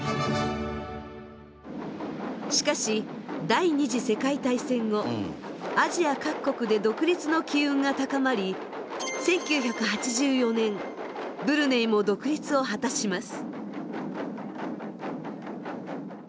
しかし第ニ次世界大戦後アジア各国で独立の機運が高まり１９８４年ブルネイも独立を果たします。